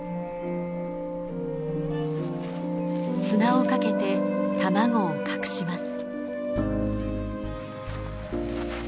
砂をかけて卵を隠します。